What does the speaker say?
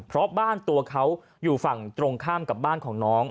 เพราะบ้านตัวเขาอยู่ฝั่งตรงข้ามกับบ้านของน้อง